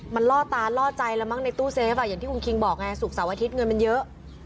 มันล่อตาล่อใจแล้วมั้งในตู้เซฟอย่างที่คุณคิงบอกไงศุกร์เสาร์อาทิตย์เงินมันเยอะ